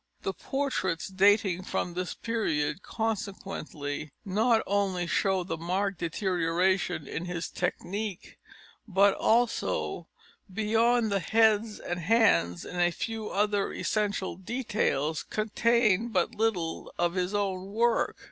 The portraits dating from this period consequently not only show the marked deterioration in his technique, but also, beyond the heads and hands and a few other essential details, contained but little of his own work.